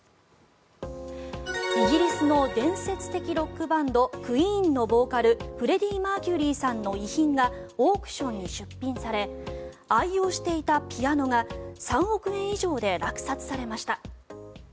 イギリスの伝説的ロックバンドクイーンのボーカルフレディ・マーキュリーさんの遺品がオークションに出品され愛用していたピアノが３億円以上で落札されました。